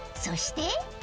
［そして］